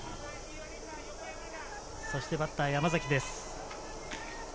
そしてバッターは山崎です。